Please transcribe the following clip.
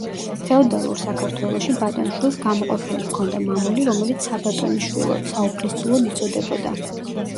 ფეოდალურ საქართველოში ბატონიშვილს გამოყოფილი ჰქონდა მამული, რომელიც საბატონიშვილოდ, საუფლისწულოდ იწოდებოდა.